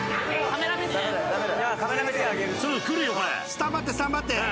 スタンバってスタンバって。